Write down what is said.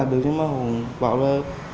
chẳng bỏ lỡ liên lạc được nhưng mà họ bảo là